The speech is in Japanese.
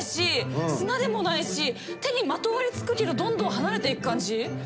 手にまとわりつくけどどんどん離れていく感じ。